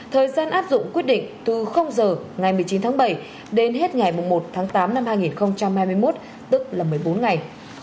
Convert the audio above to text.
thời gian áp dụng quyết định từ giờ ngày một mươi chín tháng bảy đến hết ngày một tháng tám năm hai nghìn hai mươi một tức là một mươi bốn ngày